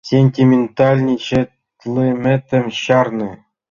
— Сентиментальничатлыметым чарне.